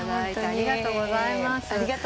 ありがとうございます。